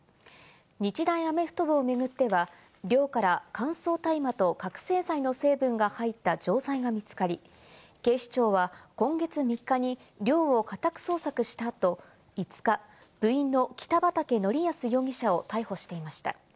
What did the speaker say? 日大アメフト部を巡っては、寮から乾燥大麻と覚せい剤の成分が入った錠剤が見つかり、警視庁は今月３日に寮を家宅捜索した後、５日、部員の北畠成文容疑者を逮捕していました。